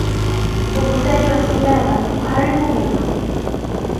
Uvutaji wa sigara huharibu meno